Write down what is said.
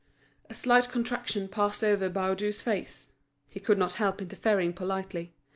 A slight contraction passed over Baudu's face. He could not help interfering politely.